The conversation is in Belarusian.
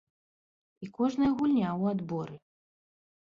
І кожная гульня ў адборы.